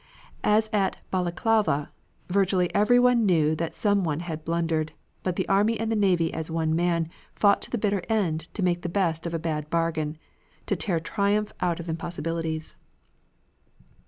As at Balaklava, virtually everyone knew that some one had blundered, but the army and the navy as one man fought to the bitter end to make the best of a bad bargain, to tear triumph out of impossibilities.